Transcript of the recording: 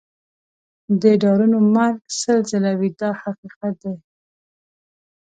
د ډارنو مرګ سل ځله وي دا حقیقت دی.